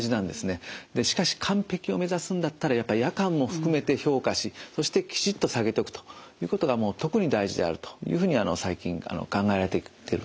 でしかし完璧を目指すんだったらやっぱり夜間も含めて評価しそしてきちっと下げとくということが特に大事であるというふうに最近考えられてきているところです。